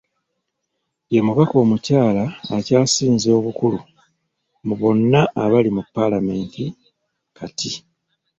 Ye mubaka omukyala akyasinze obukulu mu bonna abali mu paalamenti kati.